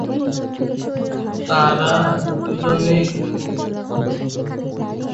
তারা দুজনেই চুমু খায়।